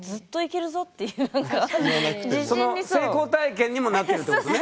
成功体験にもなってるってことね。